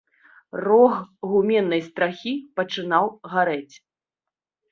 Рог гуменнай страхі пачынаў гарэць.